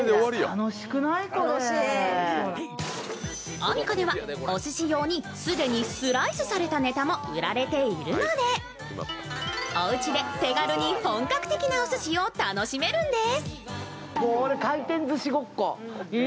アミカではおすし用に既にスライスされたネタも売られているのでおうちで手軽に本格的なおすしを楽しめるんです。